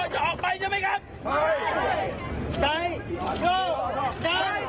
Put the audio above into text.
จนกว่าครอสโชว์จะออกไปใช่ไหมครับ